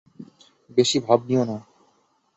বেশি ভাব নিও না।